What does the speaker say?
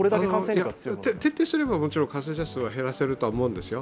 徹底すれば、もちろん感染者数は減らせると思うんですよ。